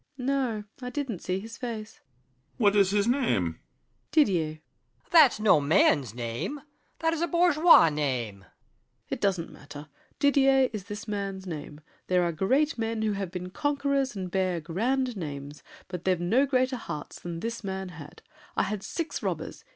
SAVERNY. No; I didn't see his face. BRICHANTEAU. What is his name? SAVERNY. Didier. ROCHEBARON. That's no man's name! That is a bourgeois name. SAVERNY. It doesn't matter. Didier is this man's name. There are great men Who have been conquerors and bear grand names, But they've no greater hearts than this man had. I had six robbers!